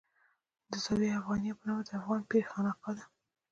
د زاویه افغانیه په نامه د افغان پیر خانقاه ده.